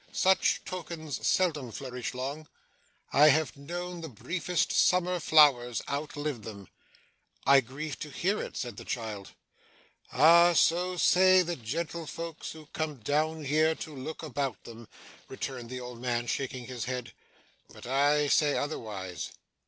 Such tokens seldom flourish long. I have known the briefest summer flowers outlive them.' 'I grieve to hear it,' said the child. 'Ah! so say the gentlefolks who come down here to look about them,' returned the old man, shaking his head, 'but I say otherwise.